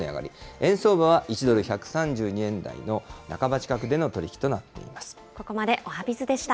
円相場は、１ドル１３２円台の半ば近くでの取り引きとなっていまここまでおはＢｉｚでした。